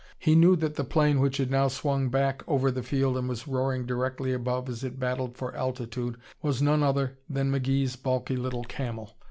He knew that the plane which had now swung back over the field and was roaring directly above as it battled for altitude was none other than McGee's balky little Camel.